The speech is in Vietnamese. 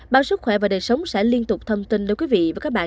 báo sức khỏe và đời sống sẽ liên tục thông tin đối với quý vị và các bạn